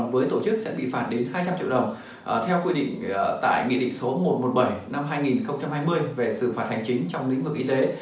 với tổ chức sẽ bị phạt đến hai trăm linh triệu đồng theo quy định tại nghị định số một trăm một mươi bảy năm hai nghìn hai mươi về xử phạt hành chính trong lĩnh vực y tế